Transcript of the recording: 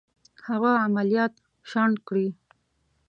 هغه عملیات شنډ کړي.